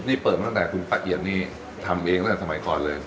นี่เปิดมาตั้งแต่คุณป้าเอียดนี่ทำเองตั้งแต่สมัยก่อนเลย